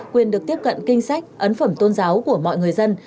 quyền được tiếp cận kinh sách ấn phẩm tôn giáo của mọi người dân